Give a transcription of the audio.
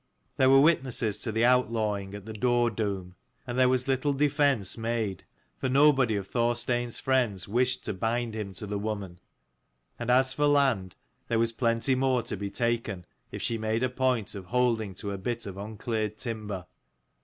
There were witnesses to the outlawing at the door doom, and there was little defence made ; for nobody of Thorstein's friends wished to bind him to the woman ; and as for land, there was plenty more to be taken, if she made a point of holding to a bit of uncleared timber.